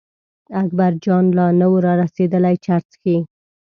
اکبرجان لا نه و را رسېدلی چرس څښي.